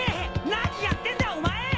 何やってんだお前！